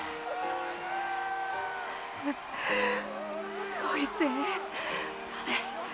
すごい声援だね。